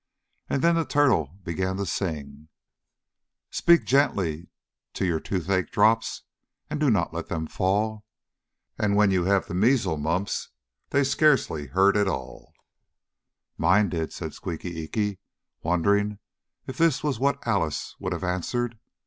And then the turtle began to sing: "Speak gently to your toothache drops, And do not let them fall. And when you have the measle mumps, They'll scarcely hurt at all." "Mine did," said Squeaky Eeky, wondering if this was what Alice would have answered.